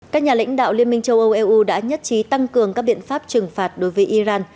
các nhà lãnh đạo liên minh châu âu eu đã nhất trí tăng cường các biện pháp trừng phạt đối với iran